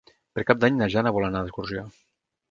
Per Cap d'Any na Jana vol anar d'excursió.